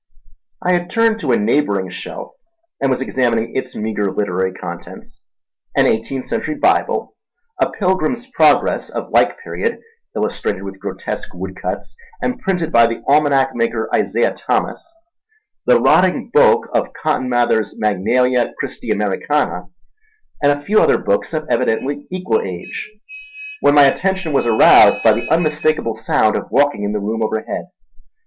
I had turned to a neighbouring shelf and was examining its meagre literary contents—an eighteenth century Bible, a Pilgrim's Progress of like period, illustrated with grotesque woodcuts and printed by the almanack maker Isaiah Thomas, the rotting bulk of Cotton Mather's Magnalia Christi Americana, and a few other books of evidently equal age—when my attention was aroused by the unmistakable sound of walking in the room overhead.